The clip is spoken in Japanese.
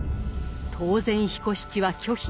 当然彦七は拒否。